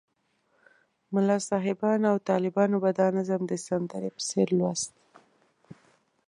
ملا صاحبانو او طالبانو به دا نظم د سندرې په څېر لوست.